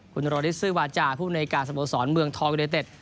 คุณโรดิสซื้อวาจ่าผู้ในการสมบูรณ์สอนเมืองท้องเกดเต็ด